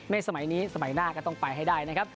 สมัยนี้สมัยหน้าก็ต้องไปให้ได้นะครับ